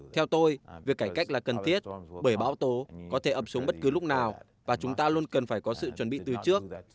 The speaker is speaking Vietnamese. theo tôi việc cải cách là cần thiết bởi bão tố có thể ập xuống bất cứ lúc nào và chúng ta luôn cần phải có sự chuẩn bị từ trước